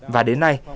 và đến nay